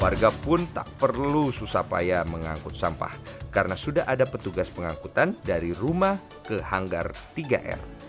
warga pun tak perlu susah payah mengangkut sampah karena sudah ada petugas pengangkutan dari rumah ke hanggar tiga r